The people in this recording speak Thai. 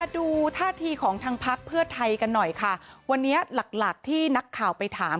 ดูท่าทีของทางพักเพื่อไทยกันหน่อยค่ะวันนี้หลักหลักที่นักข่าวไปถาม